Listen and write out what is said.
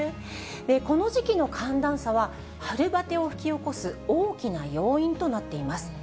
この時期の寒暖差は、春バテを引き起こす大きな要因となっています。